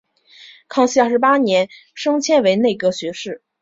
康熙二十八年升迁为内阁学士。